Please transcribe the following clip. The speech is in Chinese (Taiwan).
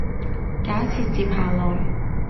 假設接下來